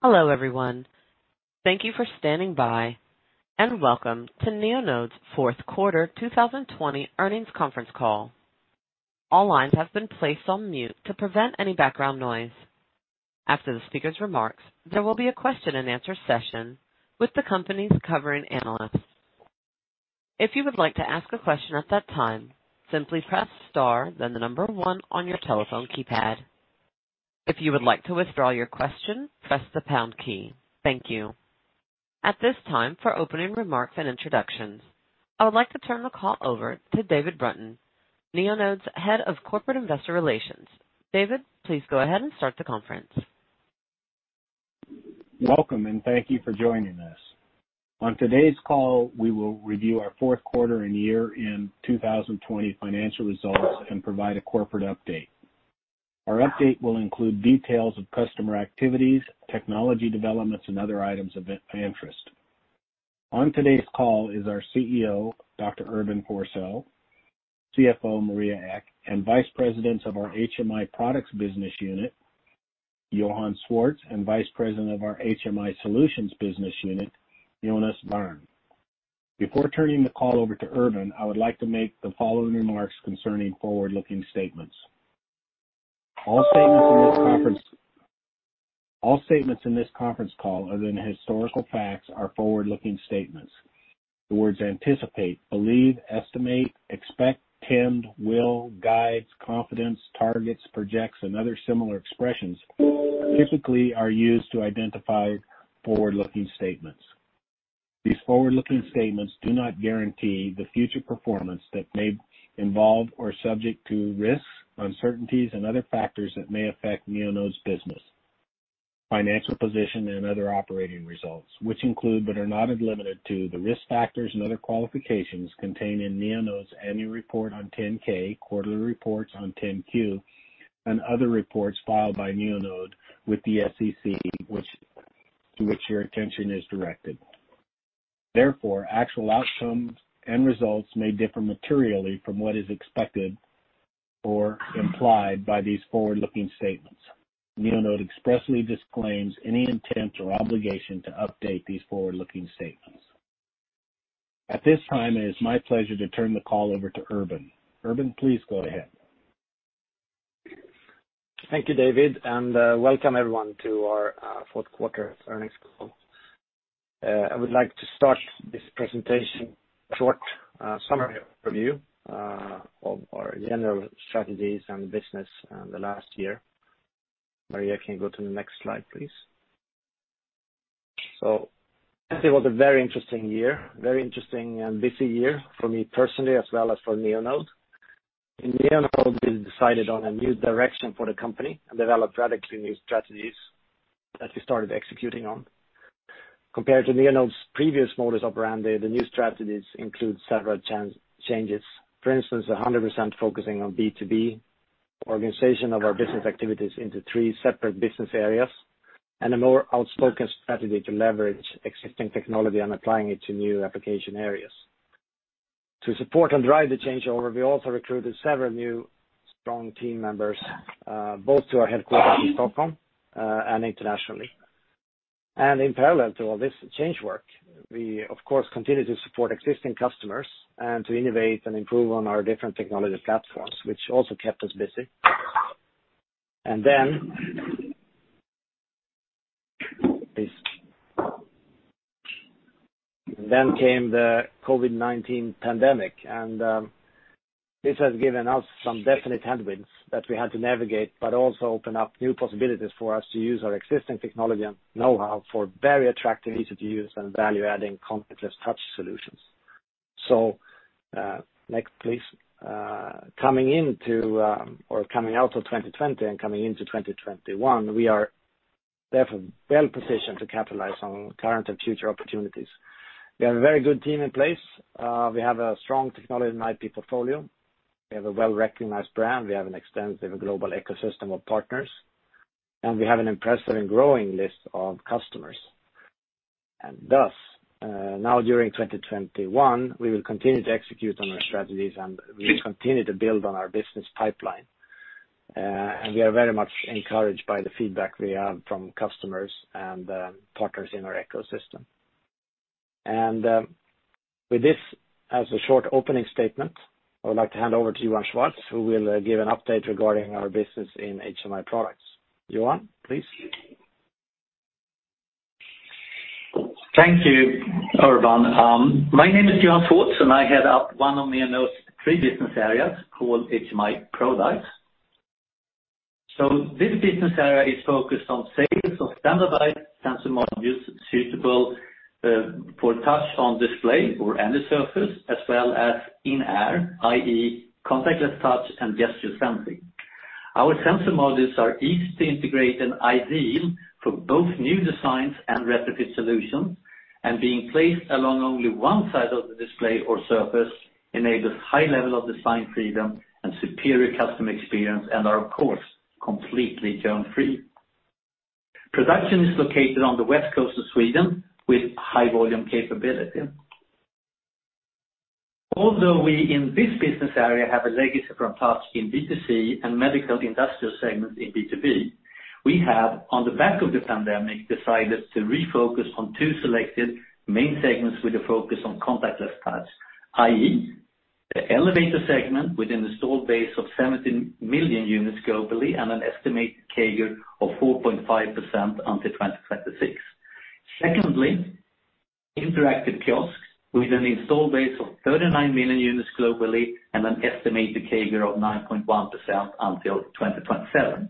Hello, everyone. Thank you for standing by, and welcome to Neonode's fourth quarter 2020 earnings conference call. At this time, for opening remarks and introductions, I would like to turn the call over to David Brunton, Neonode's Head of Corporate Investor Relations. David, please go ahead and start the conference. Welcome, and thank you for joining us. On today's call, we will review our fourth quarter and year-end 2020 financial results and provide a corporate update. Our update will include details of customer activities, technology developments, and other items of interest. On today's call is our CEO, Dr. Urban Forssell, CFO, Maria Ek, and Vice Presidents of our HMI Products business unit, Johan Swartz, and Vice President of our HMI Solutions business unit, Jonas Wærn. Before turning the call over to Urban, I would like to make the following remarks concerning forward-looking statements. All statements in this conference call other than historical facts are forward-looking statements. The words anticipate, believe, estimate, expect, intend, will, guides, confidence, targets, projects, and other similar expressions typically are used to identify forward-looking statements. These forward-looking statements do not guarantee the future performance that may involve or subject to risks, uncertainties, and other factors that may affect Neonode's business, financial position, and other operating results, which include, but are not limited to, the risk factors and other qualifications contained in Neonode's annual report on 10-K, quarterly reports on 10-Q, and other reports filed by Neonode with the SEC to which your attention is directed. Therefore, actual outcomes and results may differ materially from what is expected or implied by these forward-looking statements. Neonode expressly disclaims any intent or obligation to update these forward-looking statements. At this time, it is my pleasure to turn the call over to Urban. Urban, please go ahead. Thank you, David, and welcome, everyone, to our fourth quarter earnings call. I would like to start this presentation with a short summary overview of our general strategies and business in the last year. Maria, can you go to the next slide, please? 2020 was a very interesting year, very interesting and busy year for me personally as well as for Neonode. In Neonode, we decided on a new direction for the company and developed radically new strategies that we started executing on. Compared to Neonode's previous modus operandi, the new strategies include several changes. For instance, 100% focusing on B2B, organization of our business activities into three separate business areas, and a more outspoken strategy to leverage existing technology and applying it to new application areas. To support and drive the changeover, we also recruited several new strong team members, both to our headquarters in Stockholm and internationally. In parallel to all this change work, we of course continued to support existing customers and to innovate and improve on our different technology platforms, which also kept us busy. Then came the COVID-19 pandemic, and this has given us some definite headwinds that we had to navigate, but also opened up new possibilities for us to use our existing technology and know-how for very attractive, easy-to-use, and value-adding contactless touch solutions. Next please. Coming out of 2020 and coming into 2021, we are therefore well-positioned to capitalize on current and future opportunities. We have a very good team in place. We have a strong technology and IP portfolio. We have a well-recognized brand. We have an extensive global ecosystem of partners. We have an impressive and growing list of customers. Thus, now during 2021, we will continue to execute on our strategies, and we will continue to build on our business pipeline. We are very much encouraged by the feedback we have from customers and partners in our ecosystem. With this as a short opening statement, I would like to hand over to Johan Swartz, who will give an update regarding our business in HMI Products. Johan, please. Thank you, Urban. My name is Johan Swartz, and I head up one of Neonode's three business areas called HMI Products. This business area is focused on sales of standardized sensor modules suitable for touch on display or any surface, as well as in-air, i.e., contactless touch and gesture sensing. Our sensor modules are easy to integrate and ideal for both new designs and retrofit solutions, and being placed along only one side of the display or surface enables high level of design freedom and superior customer experience and are, of course, completely germ-free. Production is located on the west coast of Sweden with high volume capability. Although we in this business area have a legacy from touch in B2C and medical industrial segments in B2B, we have, on the back of the pandemic, decided to refocus on two selected main segments with a focus on contactless touch, i.e., the elevator segment within the installed base of 17 million units globally and an estimated CAGR of 4.5% until 2026. Secondly, interactive kiosks with an installed base of 39 million units globally and an estimated CAGR of 9.1% until 2027.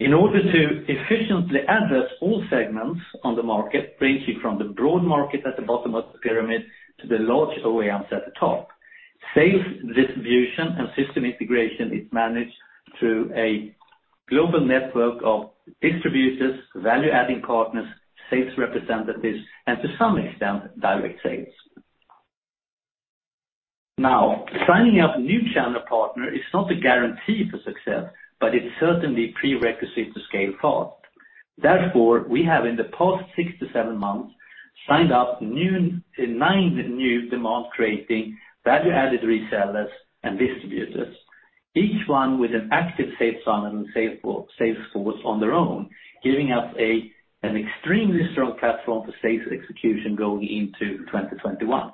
In order to efficiently address all segments on the market, ranging from the broad market at the bottom of the pyramid to the large OEMs at the top, sales distribution and system integration is managed through a global network of distributors, value-adding partners, sales representatives, and to some extent, direct sales. Now, signing up new channel partners is not a guarantee for success, but it's certainly a prerequisite to scale fast. Therefore, we have in the past six to seven months signed up nine new demand-creating, value-added resellers and distributors. Each one with an active sales funnel and sales force on their own, giving us an extremely strong platform for sales execution going into 2021.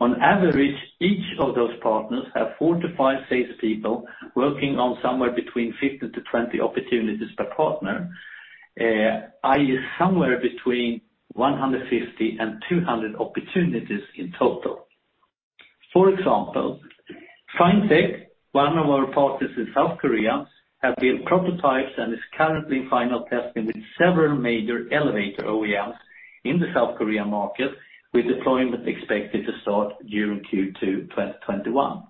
On average, each of those partners have four to five salespeople working on somewhere between 15-20 opportunities per partner. I.e., somewhere between 150 and 200 opportunities in total. For example, Finetech, one of our partners in South Korea, have built prototypes and is currently in final testing with several major elevator OEMs in the South Korean market, with deployment expected to start during Q2 2021.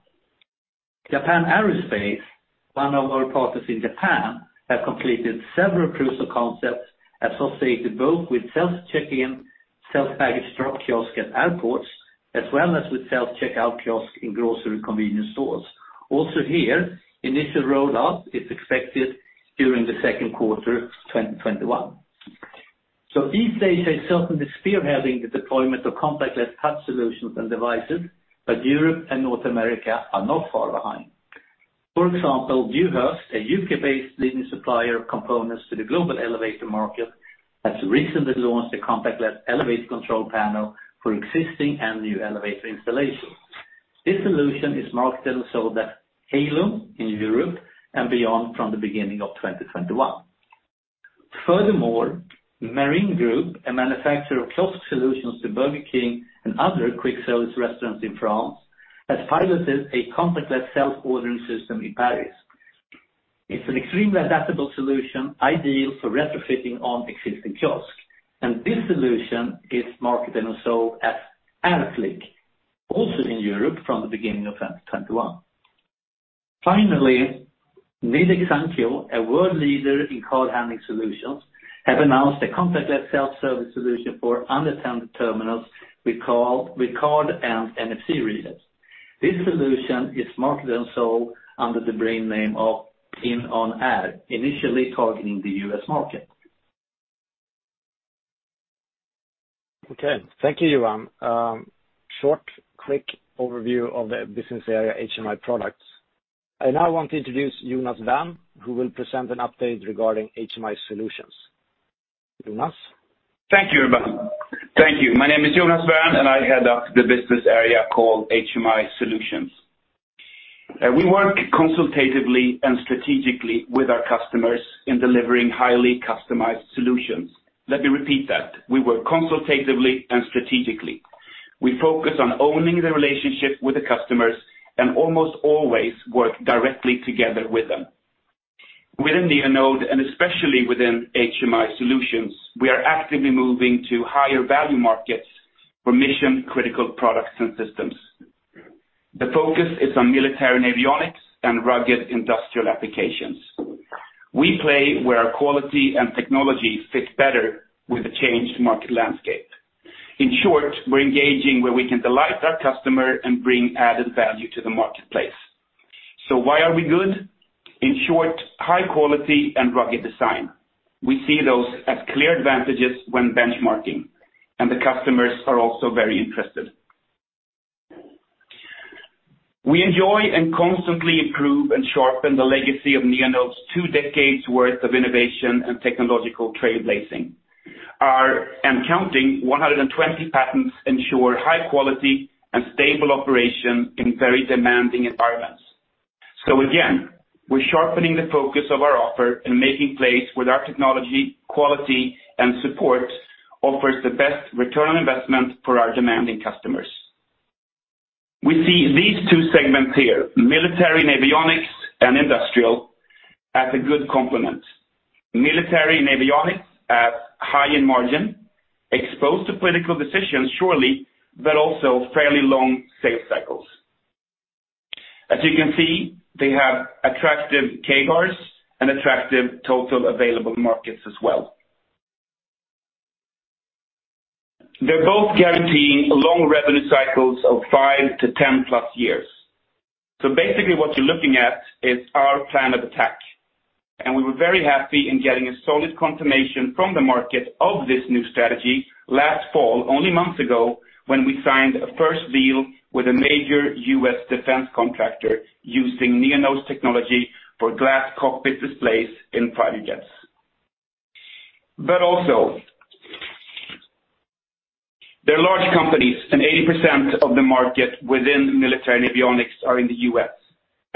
Japan Aerospace, one of our partners in Japan, has completed several proof of concepts associated both with self-check-in, self-baggage drop kiosk at airports, as well as with self-checkout kiosk in grocery convenience stores. Also here, initial rollout is expected during the second quarter 2021. These places are certainly spearheading the deployment of contactless touch solutions and devices, but Europe and North America are not far behind. For example, Dewhurst, a U.K.-based leading supplier of components to the global elevator market, has recently launched a contactless elevator control panel for existing and new elevator installations. This solution is marketed and sold as Halum in Europe and beyond from the beginning of 2021. Furthermore, Acrelec Group, a manufacturer of kiosk solutions to Burger King and other quick-service restaurants in France, has piloted a contactless self-ordering system in Paris. It's an extremely adaptable solution, ideal for retrofitting on existing kiosks. This solution is marketed and sold as Halum, also in Europe from the beginning of 2021. Finally, Nidec Sankyo, a world leader in card handling solutions, have announced a contactless self-service solution for unattended terminals with card and NFC readers. This solution is marketed and sold under the brand name of In-on-Air, initially targeting the U.S. market. Okay. Thank you, Johan. Short, quick overview of the business area HMI Products. I now want to introduce Jonas Wærn, who will present an update regarding HMI Solutions. Jonas? Thank you. My name is Jonas Wærn, and I head up the business area called HMI Solutions. We work consultatively and strategically with our customers in delivering highly customized solutions. Let me repeat that. We work consultatively and strategically. We focus on owning the relationship with the customers and almost always work directly together with them. Within Neonode, and especially within HMI Solutions, we are actively moving to higher-value markets for mission-critical products and systems. The focus is on military and avionics and rugged industrial applications. We play where our quality and technology fit better with the changed market landscape. In short, we're engaging where we can delight our customer and bring added value to the marketplace. Why are we good? In short, high quality and rugged design. We see those as clear advantages when benchmarking, and the customers are also very interested. We enjoy and constantly improve and sharpen the legacy of Neonode's two decades' worth of innovation and technological trailblazing. Our accounting 120 patents ensure high quality and stable operation in very demanding environments. Again, we're sharpening the focus of our offer and making plays where our technology, quality, and support offers the best return on investment for our demanding customers. We see these two segments here, military and avionics and industrial, as a good complement. Military and avionics as high in margin, exposed to political decisions, surely, but also fairly long sales cycles. As you can see, they have attractive CAGRs and attractive total available markets as well. They're both guaranteeing long revenue cycles of five to 10+ years. Basically what you're looking at is our plan of attack. We were very happy in getting a solid confirmation from the market of this new strategy last fall, only months ago, when we signed a first deal with a major U.S. defense contractor using Neonode's technology for glass cockpit displays in fighter jets. Also, they're large companies, and 80% of the market within military avionics are in the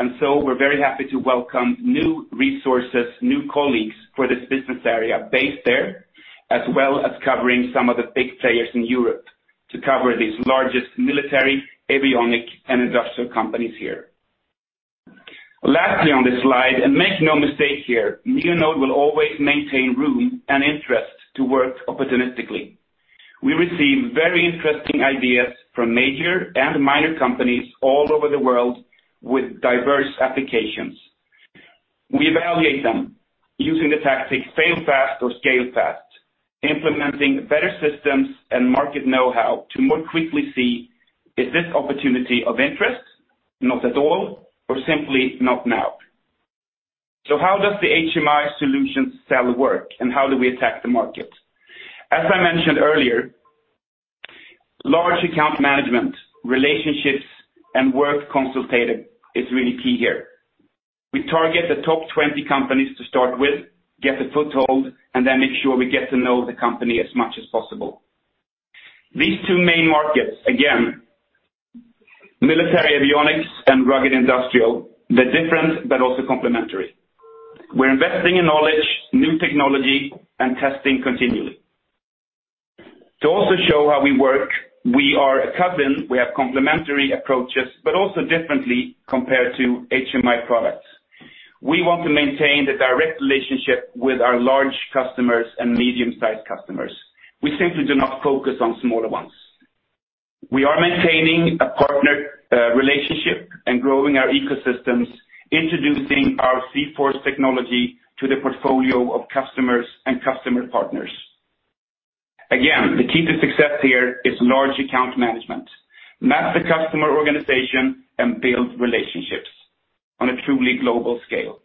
U.S. We're very happy to welcome new resources, new colleagues for this business area based there, as well as covering some of the big players in Europe to cover these largest military avionic and industrial companies here. Lastly, on this slide, and make no mistake here, Neonode will always maintain room and interest to work opportunistically. We receive very interesting ideas from major and minor companies all over the world with diverse applications. We evaluate them using the tactic fail fast or scale fast, implementing better systems and market know-how to more quickly see, is this opportunity of interest, not at all, or simply not now? How does the HMI Solutions cell work, and how do we attack the market? As I mentioned earlier, large account management, relationships, and work consultative is really key here. We target the top 20 companies to start with, get a foothold, and then make sure we get to know the company as much as possible. These two main markets, again, military avionics and rugged industrial, they're different, but also complementary. We're investing in knowledge, new technology, and testing continually. To also show how we work, we are a cousin. We have complementary approaches, but also differently compared to HMI Products. We want to maintain the direct relationship with our large customers and medium-sized customers. We simply do not focus on smaller ones. We are maintaining a partnered relationship and growing our ecosystems, introducing our zForce technology to the portfolio of customers and customer partners. Again, the key to success here is large account management. Map the customer organization and build relationships on a truly global scale.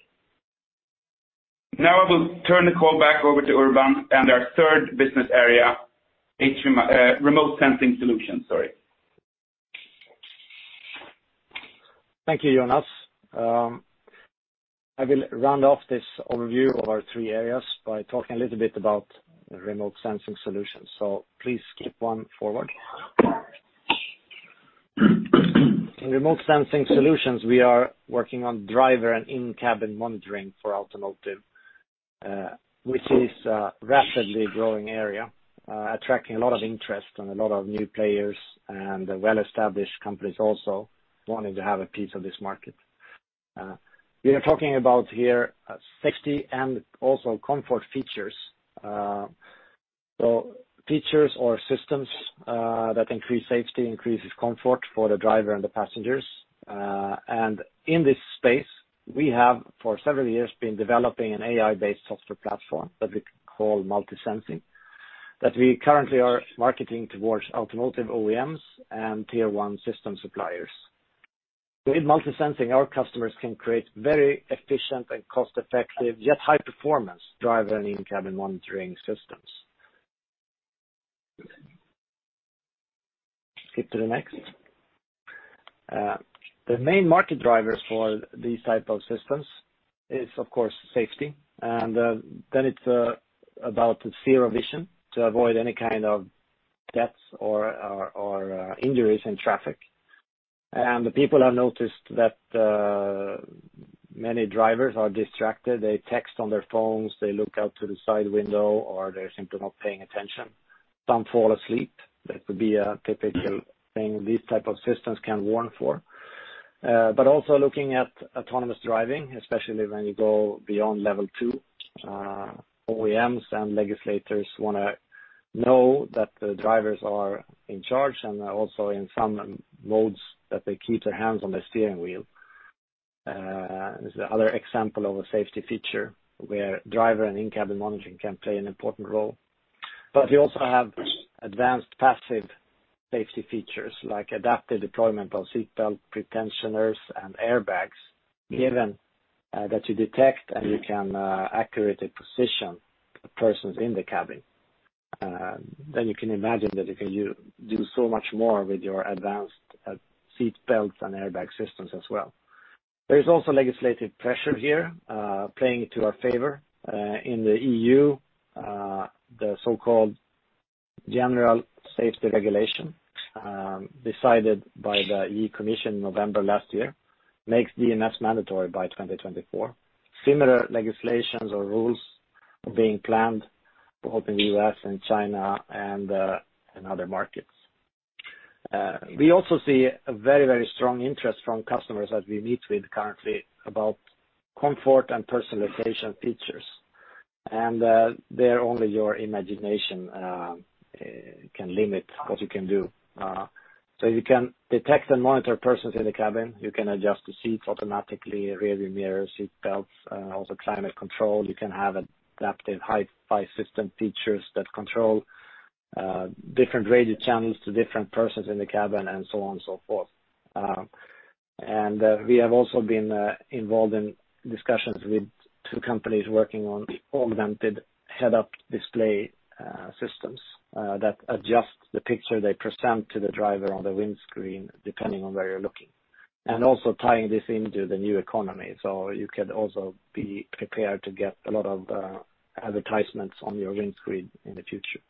Now I will turn the call back over to Urban and our third business area, Remote Sensing Solutions. Thank you, Jonas. I will round off this overview of our three areas by talking a little bit about Remote Sensing Solutions. Please skip one forward. In Remote Sensing Solutions, we are working on driver and in-cabin monitoring for automotive, which is a rapidly growing area, attracting a lot of interest and a lot of new players and well-established companies also wanting to have a piece of this market. We are talking about here safety and also comfort features. Features or systems that increase safety, increases comfort for the driver and the passengers. In this space, we have, for several years, been developing an AI-based software platform that we call MultiSensing, that we currently are marketing towards automotive OEMs and tier 1 system suppliers. Skip to the next. The main market driver for these type of systems is, of course, safety. Then it's about zero vision to avoid any kind of deaths or injuries in traffic. The people have noticed that many drivers are distracted. They text on their phones, they look out to the side window, or they're simply not paying attention. Some fall asleep. That would be a typical thing these type of systems can warn for. Also looking at autonomous driving, especially when you go beyond level 2. OEMs and legislators want to know that the drivers are in charge and also in some modes that they keep their hands on the steering wheel. There's the other example of a safety feature where driver and in-cabin monitoring can play an important role. You also have advanced passive safety features like adaptive deployment of seat belt pretensioners and airbags. Given that you detect and you can accurately position persons in the cabin, you can imagine that you can do so much more with your advanced seat belts and airbag systems as well. There is also legislative pressure here playing to our favor. In the E.U., the so-called General Safety Regulation, decided by the European Commission in November last year, makes DMS mandatory by 2024. Similar legislations or rules are being planned both in the U.S. and China and other markets. We also see a very strong interest from customers that we meet with currently about comfort and personalization features. There only your imagination can limit what you can do. You can detect and monitor persons in the cabin. You can adjust the seats automatically, rearview mirrors, seat belts, also climate control. You can have adaptive height, five system features that control different radio channels to different persons in the cabin, and so on and so forth. We have also been involved in discussions with two companies working on augmented head-up display systems that adjust the picture they present to the driver on the windscreen, depending on where you are looking. Also tying this into the new economy, so you can also be prepared to get a lot of advertisements on your windscreen in the future.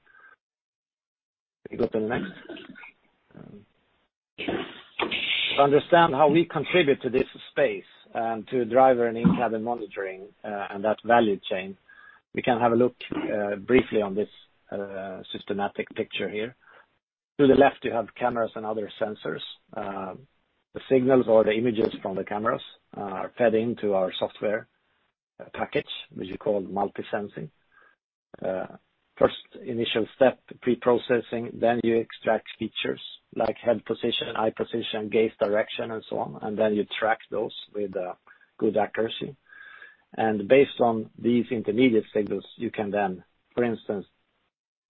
Can you go to the next? To understand how we contribute to this space, to driver and in-cabin monitoring, and that value chain, we can have a look briefly on this systematic picture here. To the left, you have cameras and other sensors. The signals or the images from the cameras are fed into our software package, which is called MultiSensing. First initial step, pre-processing, then you extract features, like head position, eye position, gaze direction, and so on. Then you track those with good accuracy. Based on these intermediate signals, you can then, for instance,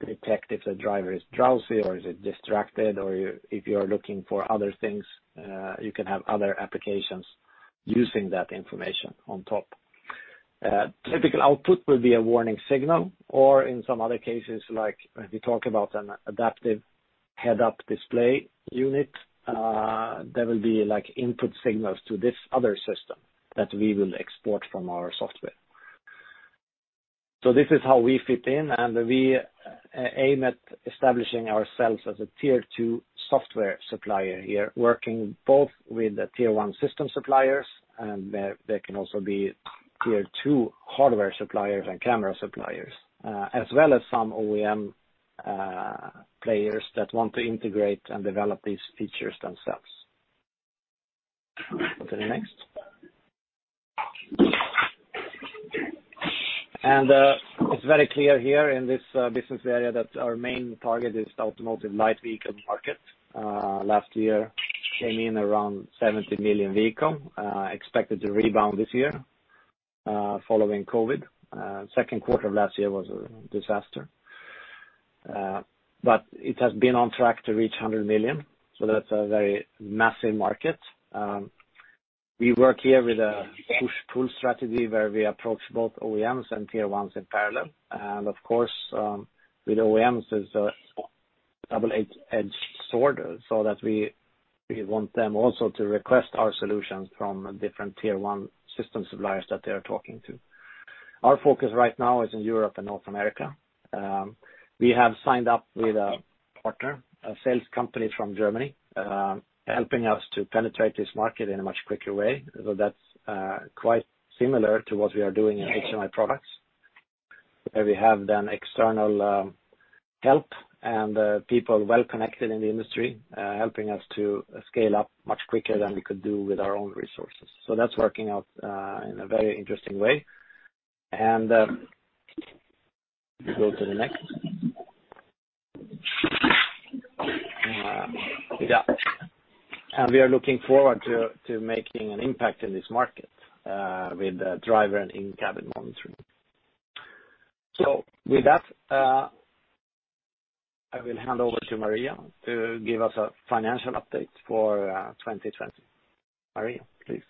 detect if the driver is drowsy or is distracted or if you are looking for other things, you can have other applications using that information on top. Typical output will be a warning signal, or in some other cases, like if you talk about an adaptive head-up display unit, there will be input signals to this other system that we will export from our software. This is how we fit in, and we aim at establishing ourselves as a tier 2 software supplier here, working both with the tier 1 system suppliers, and there can also be tier 2 hardware suppliers and camera suppliers, as well as some OEM players that want to integrate and develop these features themselves. Go to the next. It's very clear here in this business area that our main target is the automotive light vehicle market. Last year came in around 70 million vehicle, expected to rebound this year following COVID-19. Second quarter of last year was a disaster. It has been on track to reach 100 million, that's a very massive market. We work here with a push-pull strategy where we approach both OEMs and tier 1s in parallel. Of course, with OEMs is a double-edged sword, so that we want them also to request our solutions from different tier one system suppliers that they are talking to. Our focus right now is in Europe and North America. We have signed up with a partner, a sales company from Germany, helping us to penetrate this market in a much quicker way. That's quite similar to what we are doing in HMI Products, where we have then external help and people well-connected in the industry, helping us to scale up much quicker than we could do with our own resources. That's working out in a very interesting way. If we go to the next. We are looking forward to making an impact in this market with driver and in-cabin monitoring. With that, I will hand over to Maria to give us a financial update for 2020. Maria, please.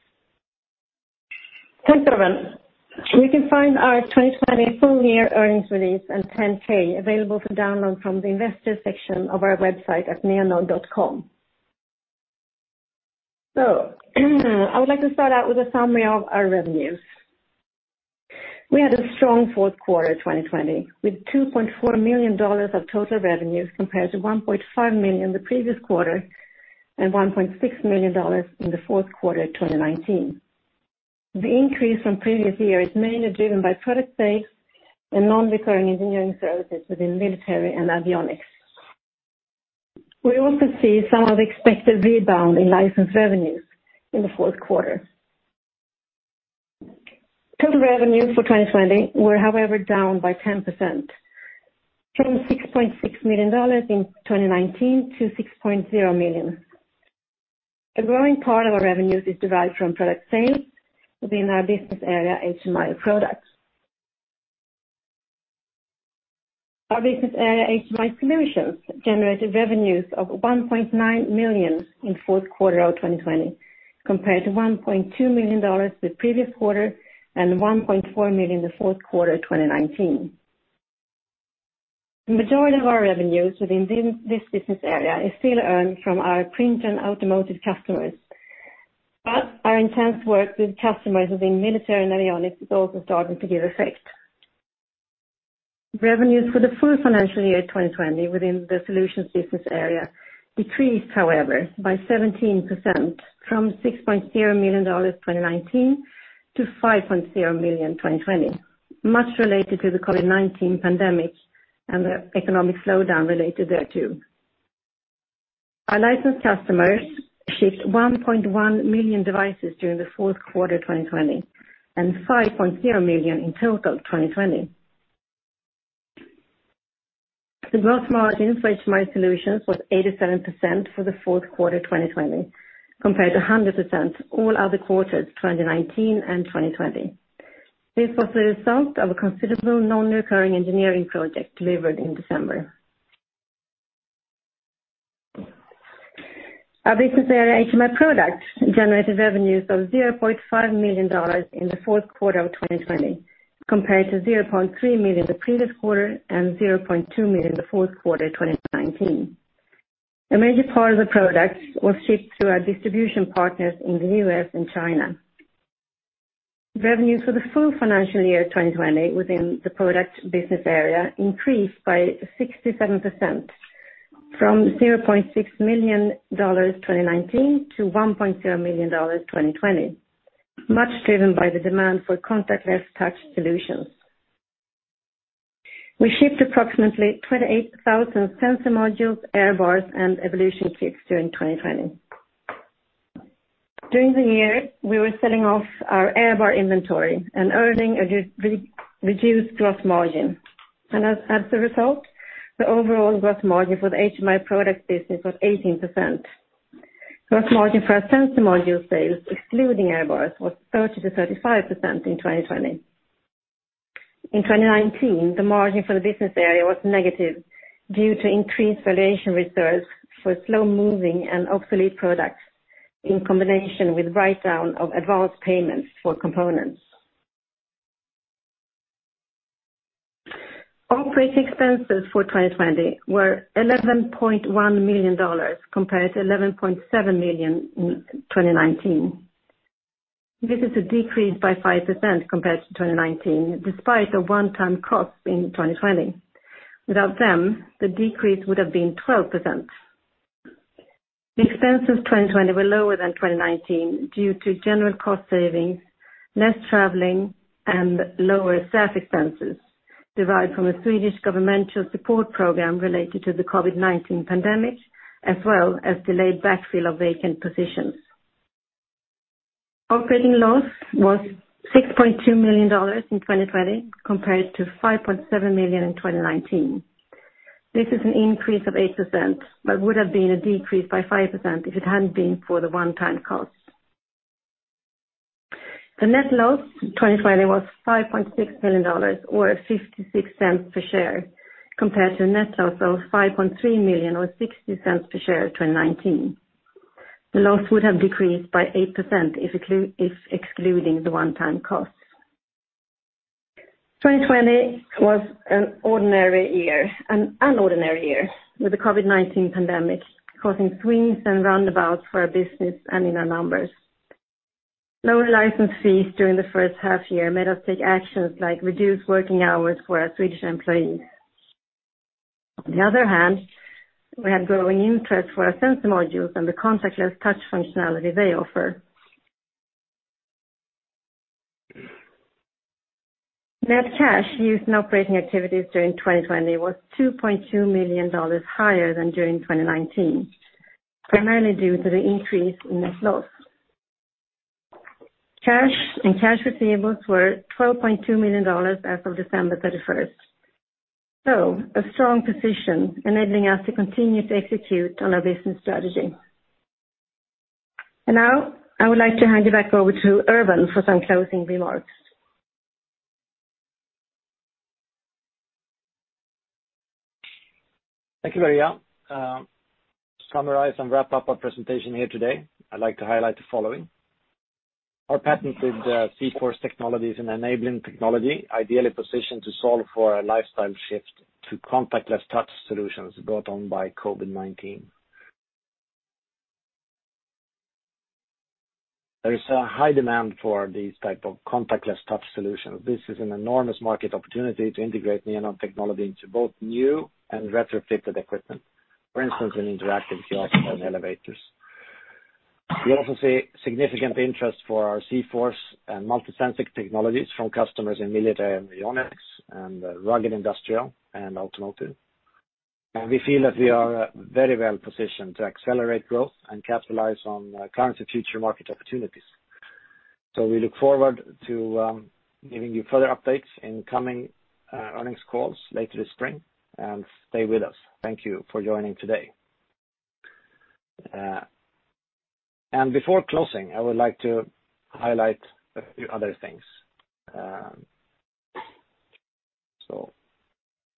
Thanks, Urban. You can find our 2020 full-year earnings release and 10-K available for download from the investor section of our website at neonode.com. I would like to start out with a summary of our revenues. We had a strong fourth quarter 2020, with $2.4 million of total revenues compared to $1.5 million the previous quarter and $1.6 million in the fourth quarter 2019. The increase from previous year is mainly driven by product sales and non-recurring engineering services within military and avionics. We also see some of the expected rebound in license revenues in the fourth quarter. Total revenues for 2020 were, however, down by 10%, from $6.6 million in 2019 to $6.0 million. A growing part of our revenues is derived from product sales within our business area, HMI Products. Our business area, HMI Solutions, generated revenues of $1.9 million in fourth quarter of 2020, compared to $1.2 million the previous quarter and $1.4 million the fourth quarter 2019. The majority of our revenues within this business area is still earned from our print and automotive customers. Our intense work with customers within military and avionics is also starting to give effect. Revenues for the full financial year 2020 within the solutions business area decreased, however, by 17%, from $6.0 million 2019 to $5.0 million 2020, much related to the COVID-19 pandemic and the economic slowdown related thereto. Our licensed customers shipped 1.1 million devices during the fourth quarter 2020 and 5.0 million in total 2020. The growth margins for HMI Solutions was 87% for the fourth quarter 2020, compared to 100% all other quarters 2019 and 2020. This was a result of a considerable non-recurring engineering project delivered in December. Our business area, HMI Products, generated revenues of $0.5 million in the fourth quarter of 2020, compared to $0.3 million the previous quarter and $0.2 million in the fourth quarter of 2019. A major part of the products was shipped through our distribution partners in the U.S. and China. Revenues for the full financial year 2020 within the product business area increased by 67%, from $0.6 million, 2019, to $1.0 million, 2020, much driven by the demand for contactless touch solutions. We shipped approximately 28,000 sensor modules, AirBars, and Evaluation Kits during 2020. During the year, we were selling off our AirBar inventory and earning a reduced gross margin. As a result, the overall gross margin for the HMI Products business was 18%. Gross margin for our sensor module sales, excluding AirBars, was 30%-35% in 2020. In 2019, the margin for the business area was negative due to increased valuation reserves for slow-moving and obsolete products, in combination with write-down of advanced payments for components. Operating expenses for 2020 were $11.1 million compared to $11.7 million in 2019. This is a decrease by 5% compared to 2019, despite a one-time cost in 2020. Without them, the decrease would have been 12%. Expenses 2020 were lower than 2019 due to general cost savings, less traveling, and lower staff expenses derived from a Swedish governmental support program related to the COVID-19 pandemic, as well as delayed backfill of vacant positions. Operating loss was $6.2 million in 2020 compared to $5.7 million in 2019. This is an increase of 8%, but would have been a decrease by 5% if it hadn't been for the one-time cost. The net loss, 2020, was $5.6 million, or $0.56 per share, compared to a net loss of $5.3 million or $0.60 per share, 2019. The loss would have decreased by 8% if excluding the one-time cost. 2020 was an unordinary year, with the COVID-19 pandemic causing swings and roundabouts for our business and in our numbers. Lower license fees during the first half year made us take actions like reduce working hours for our Swedish employees. On the other hand, we had growing interest for our sensor modules and the contactless touch functionality they offer. Net cash used in operating activities during 2020 was $2.2 million higher than during 2019, primarily due to the increase in net loss. Cash and cash receivables were $12.2 million as of December 31st. A strong position enabling us to continue to execute on our business strategy. Now I would like to hand it back over to Urban for some closing remarks. Thank you, Maria. To summarize and wrap up our presentation here today, I'd like to highlight the following. Our patented zForce technology is an enabling technology ideally positioned to solve for a lifestyle shift to contactless touch solutions brought on by COVID-19. There is a high demand for these type of contactless touch solutions. This is an enormous market opportunity to integrate Neonode technology into both new and retrofitted equipment. For instance, in interactive kiosks and elevators. We also see significant interest for our zForce and MultiSensing technologies from customers in military avionics and rugged industrial and automotive. We feel that we are very well positioned to accelerate growth and capitalize on current and future market opportunities. We look forward to giving you further updates in coming earnings calls later this spring, and stay with us. Thank you for joining today. Before closing, I would like to highlight a few other things.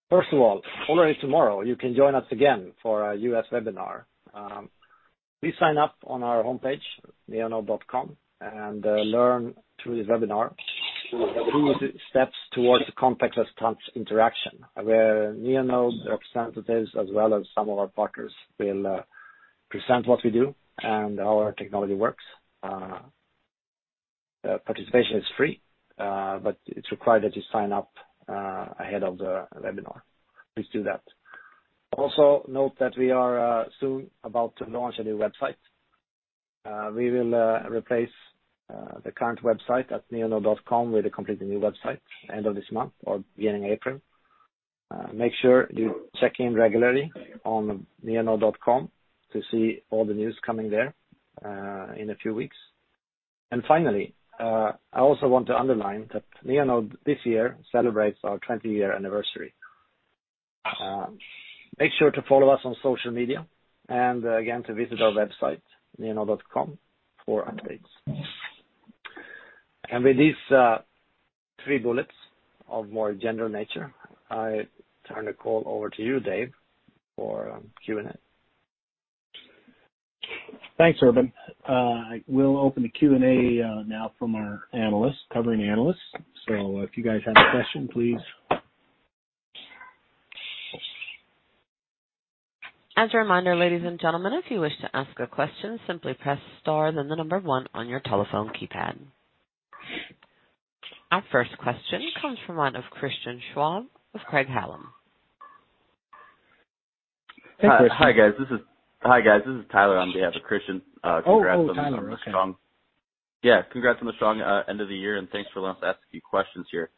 First of all, already tomorrow, you can join us again for our U.S. webinar. Please sign up on our homepage, neonode.com, and learn through the webinar the cruise steps towards contactless touch interaction, where Neonode representatives, as well as some of our partners, will present what we do and how our technology works. Participation is free, but it's required that you sign up ahead of the webinar. Please do that. Also note that we are soon about to launch a new website. We will replace the current website at neonode.com with a completely new website end of this month or beginning April. Make sure you check in regularly on neonode.com to see all the news coming there in a few weeks. Finally, I also want to underline that Neonode, this year, celebrates our 20-year anniversary. Make sure to follow us on social media, and again, to visit our website, neonode.com, for updates. With these three bullets of more general nature, I turn the call over to you, Dave, for Q&A. Thanks, Urban. I will open the Q&A now from our covering analysts. If you guys have a question, please. As a reminder, ladies and gentlemen, if you wish to ask a question, simply press star then the number one on your telephone keypad. Our first question comes from out of Christian Schwab with Craig-Hallum. Hey, Christian. Hi, guys. This is Tyler on behalf of Christian. Oh, Tyler. Okay. Yeah. Congrats on the strong end of the year, and thanks for letting us ask a few questions here.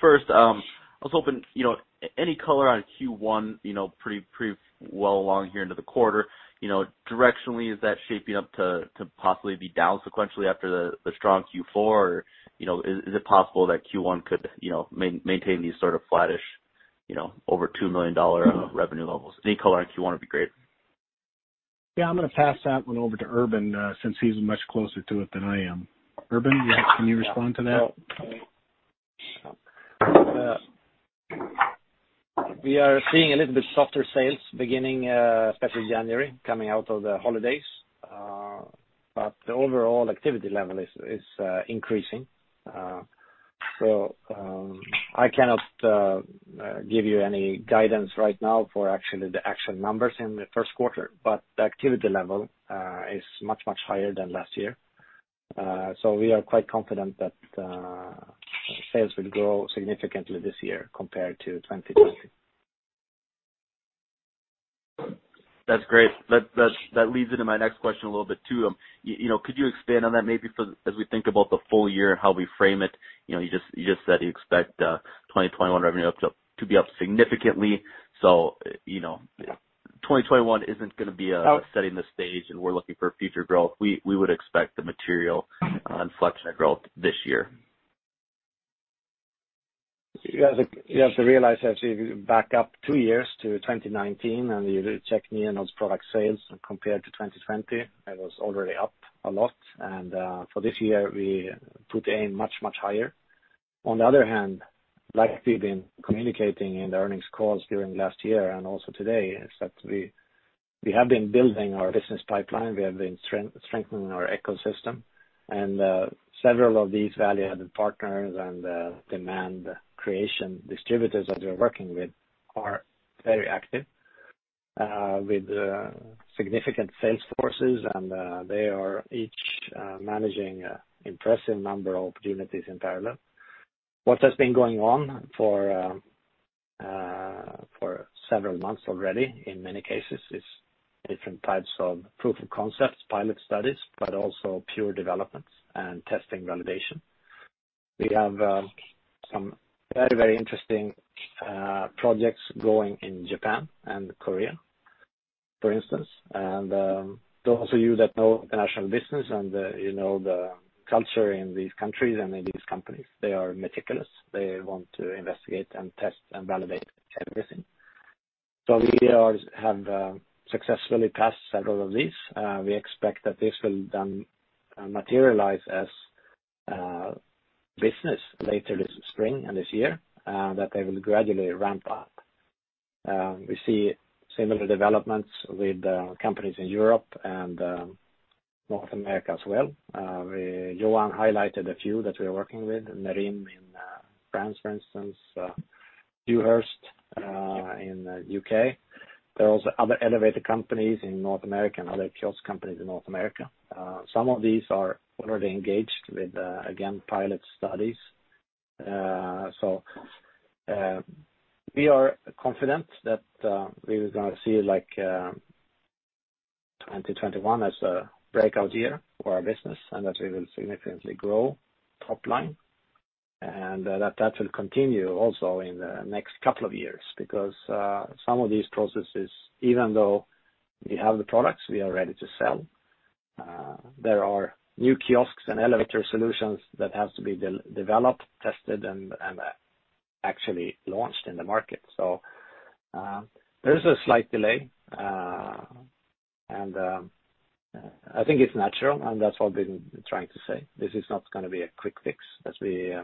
First, I was hoping, any color on Q1, pretty well along here into the quarter. Directionally, is that shaping up to possibly be down sequentially after the strong Q4? Is it possible that Q1 could maintain these sort of flattish over $2 million revenue levels? Any color on Q1 would be great. Yeah, I'm going to pass that one over to Urban, since he's much closer to it than I am. Urban, can you respond to that? We are seeing a little bit softer sales beginning especially January, coming out of the holidays. The overall activity level is increasing. I cannot give you any guidance right now for actually the actual numbers in the first quarter. The activity level is much, much higher than last year. We are quite confident that sales will grow significantly this year compared to 2020. That's great. That leads into my next question a little bit too. Could you expand on that, maybe for as we think about the full year and how we frame it? You just said you expect 2021 revenue to be up significantly. 2021 isn't going to be setting the stage and we're looking for future growth. We would expect the material inflection of growth this year. You have to realize, actually, if you back up two years to 2019, and you check Neonode's product sales compared to 2020, it was already up a lot. For this year, we put aim much, much higher. On the other hand, like we've been communicating in the earnings calls during last year and also today, is that we have been building our business pipeline. We have been strengthening our ecosystem. Several of these value-added partners and demand creation distributors that we're working with are very active with significant sales forces. They are each managing impressive number of opportunities in parallel. What has been going on for several months already, in many cases, is different types of proof of concepts, pilot studies, but also pure developments and testing validation. We have some very interesting projects going in Japan and Korea, for instance. Those of you that know international business and you know the culture in these countries and in these companies, they are meticulous. They want to investigate and test and validate everything. We have successfully passed several of these. We expect that this will then materialize as business later this spring and this year, that they will gradually ramp up. We see similar developments with companies in Europe and North America as well. Johan highlighted a few that we are working with, Acrelec in France, for instance, Dewhurst in U.K. There are also other elevator companies in North America and other kiosk companies in North America. Some of these are already engaged with, again, pilot studies. We are confident that we are going to see 2021 as a breakout year for our business, and that we will significantly grow top line. That will continue also in the next couple of years, because some of these processes, even though we have the products we are ready to sell, there are new kiosks and elevator solutions that have to be developed, tested, and actually launched in the market. There is a slight delay. I think it's natural, and that's what I've been trying to say. This is not going to be a quick fix, that we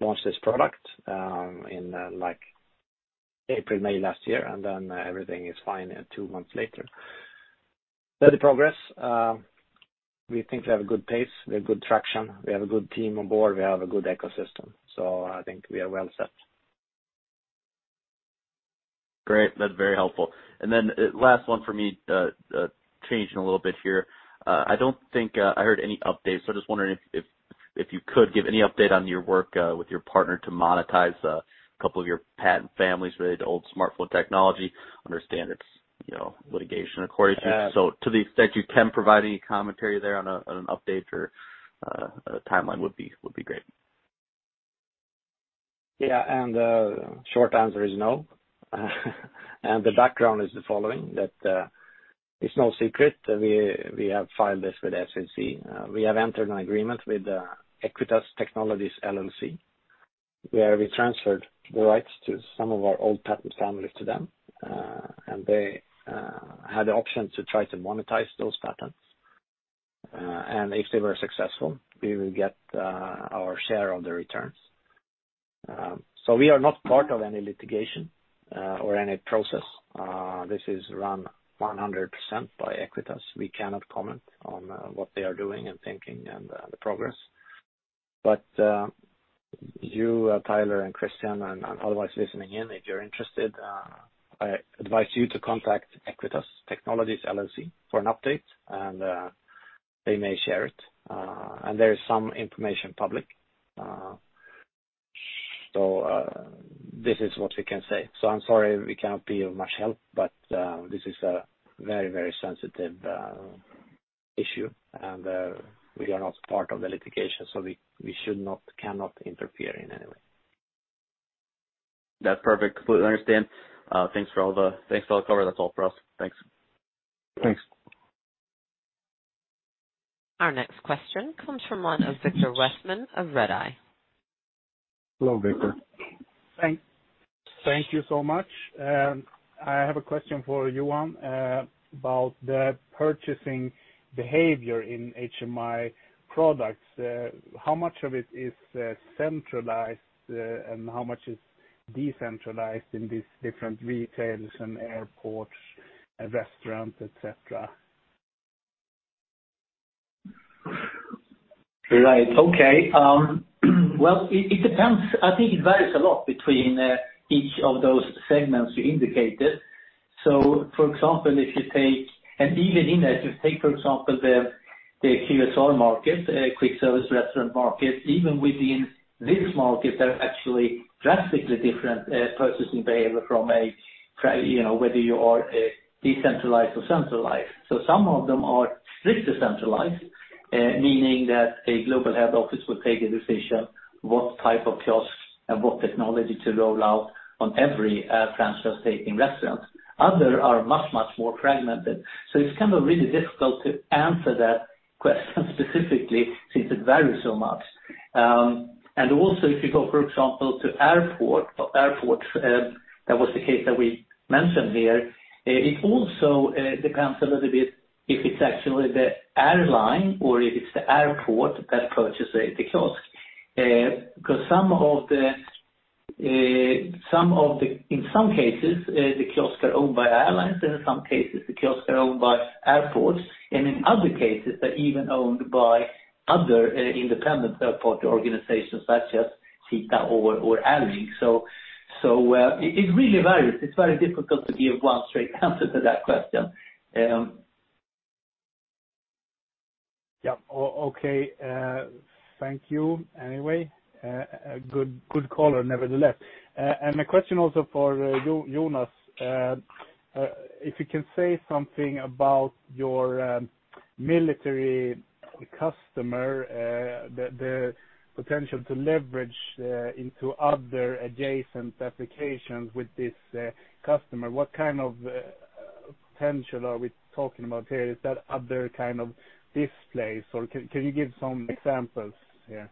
launch this product in April, May last year, and then everything is fine two months later. Steady progress. We think we have a good pace, we have good traction, we have a good team on board, we have a good ecosystem. I think we are well set. Great. That's very helpful. Last one for me, changing a little bit here. I don't think I heard any updates, so I'm just wondering if you could give any update on your work with your partner to monetize a couple of your patent families related to old Smart Flow technology. Understand it's litigation, of course. To the extent you can provide any commentary there on an update or a timeline would be great. Yeah. The short answer is no. The background is the following. It's no secret. We have filed this with SEC. We have entered an agreement with Aequitas Technologies LLC, where we transferred the rights to some of our old patent families to them, and they had the option to try to monetize those patents. If they were successful, we will get our share of the returns. We are not part of any litigation or any process. This is run 100% by Aequitas. We cannot comment on what they are doing and thinking and the progress. You, Tyler and Christian, and otherwise listening in, if you're interested, I advise you to contact Aequitas Technologies LLC for an update, and they may share it. There is some information public. This is what we can say. I'm sorry we cannot be of much help, but this is a very sensitive issue and we are not part of the litigation, so we should not, cannot interfere in any way. That's perfect. Completely understand. Thanks for all the cover. That's all for us. Thanks. Thanks. Our next question comes from one of Viktor Westman of Redeye. Hello, Viktor. Thank you so much. I have a question for you, Johan, about the purchasing behavior in HMI Products. How much of it is centralized, and how much is decentralized in these different retailers and airports and restaurants, et cetera? Right. Okay. Well, it depends. I think it varies a lot between each of those segments you indicated. For example, if you take, and even in that, you take for example the QSR market, quick service restaurant market, even within this market, there are actually drastically different purchasing behavior from whether you are decentralized or centralized. Some of them are strict decentralized, meaning that a global head office will take a decision what type of kiosks and what technology to roll out on every franchise taking restaurants. Other are much more fragmented. It's kind of really difficult to answer that question specifically since it varies so much. Also if you go, for example, to airports, that was the case that we mentioned here. It also depends a little bit if it's actually the airline or if it's the airport that purchase the kiosk. In some cases, the kiosks are owned by airlines, and in some cases, the kiosks are owned by airports, and in other cases, they're even owned by other independent airport organizations such as SITA or AdelFi. It really varies. It's very difficult to give one straight answer to that question. Yeah. Okay. Thank you anyway. Good caller nevertheless. A question also for Jonas. If you can say something about your military customer, the potential to leverage into other adjacent applications with this customer. What kind of potential are we talking about here? Is that other kind of displays or can you give some examples here?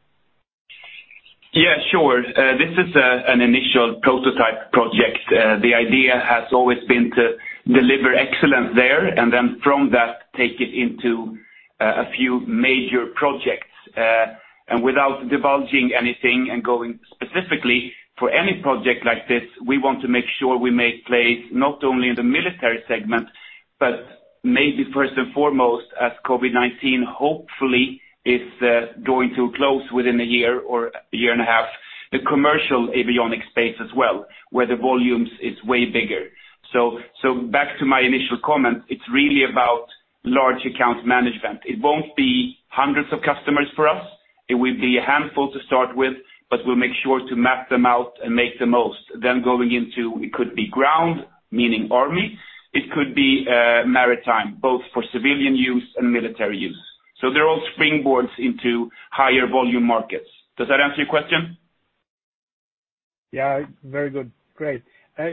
Yeah, sure. This is an initial prototype project. The idea has always been to deliver excellence there, and then from that take it into a few major projects. Without divulging anything and going specifically for any project like this, we want to make sure we make plays not only in the military segment, but maybe first and foremost as COVID-19 hopefully is going to close within one year or one year and a half, the commercial avionics space as well, where the volumes is way bigger. Back to my initial comment, it's really about large account management. It won't be hundreds of customers for us. It will be a handful to start with, but we'll make sure to map them out and make the most. Going into it could be ground, meaning army. It could be maritime, both for civilian use and military use. They're all springboards into higher volume markets. Does that answer your question? Yeah. Very good. Great.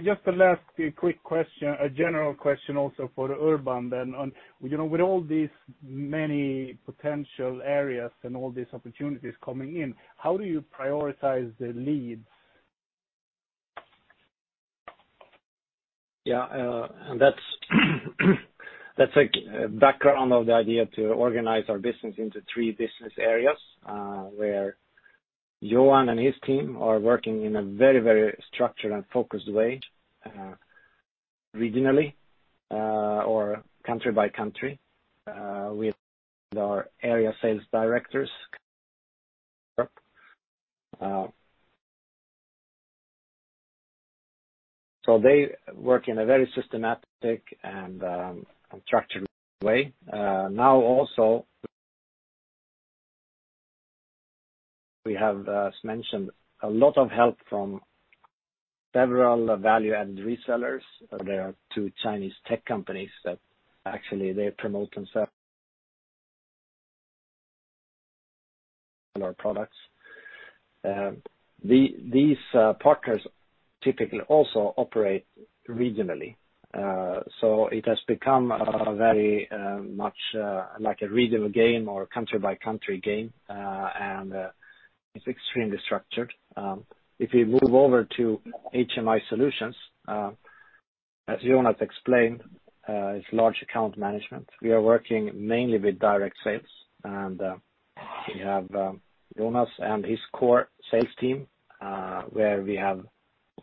Just a last quick question, a general question also for Urban then on, with all these many potential areas and all these opportunities coming in, how do you prioritize the leads? Yeah. That's background of the idea to organize our business into three business areas, where Johan and his team are working in a very structured and focused way regionally or country by country with our area sales directors. They work in a very systematic and structured way. Now also, we have, as mentioned, a lot of help from several value-added resellers. There are two Chinese tech companies that actually they promote and sell our products. These partners typically also operate regionally. It has become very much like a regional game or country-by-country game, and it's extremely structured. If we move over to HMI Solutions, as Jonas explained, it's large account management. We are working mainly with direct sales, and we have Jonas and his core sales team, where we have,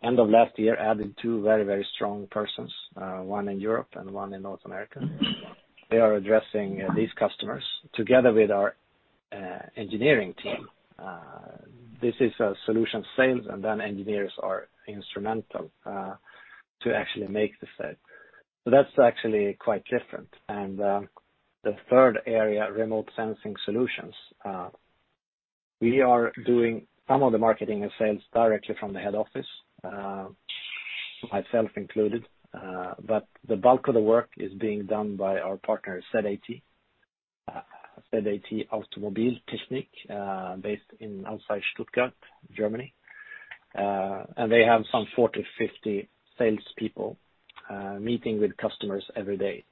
end of last year, added two very, very strong persons, one in Europe and one in North America. They are addressing these customers together with our engineering team. This is a solution sales, and then engineers are instrumental to actually make the sale. That's actually quite different. The third area, Remote Sensing Solutions. We are doing some of the marketing and sales directly from the head office, myself included. The bulk of the work is being done by our partner, ZAT Automobiltechnik, based in outside Stuttgart, Germany. They have some 40, 50 salespeople meeting with customers every day.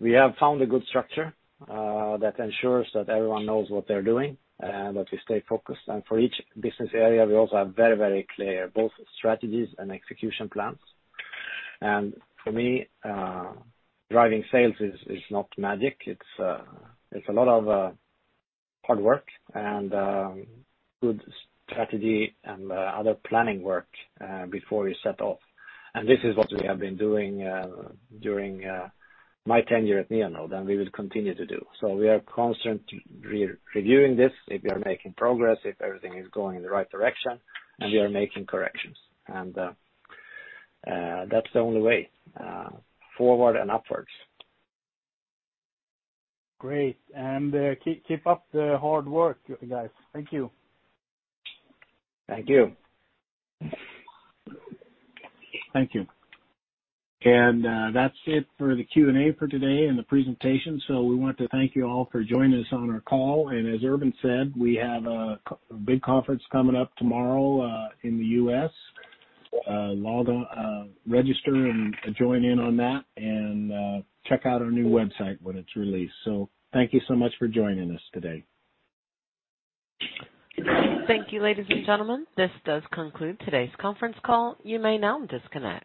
We have found a good structure, that ensures that everyone knows what they're doing and that we stay focused. For each business area, we also have very, very clear both strategies and execution plans. For me, driving sales is not magic. It's a lot of hard work and good strategy and other planning work, before we set off. This is what we have been doing during my tenure at Neonode, and we will continue to do. We are constantly reviewing this, if we are making progress, if everything is going in the right direction, and we are making corrections. That's the only way, forward and upwards. Great. Keep up the hard work, you guys. Thank you. Thank you. Thank you. That's it for the Q&A for today and the presentation. We want to thank you all for joining us on our call. As Urban said, we have a big conference coming up tomorrow, in the U.S. Register and join in on that, and check out our new website when it's released. Thank you so much for joining us today. Thank you, ladies and gentlemen. This does conclude today's conference call. You may now disconnect.